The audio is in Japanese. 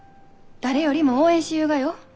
誰よりも応援しゆうがよ。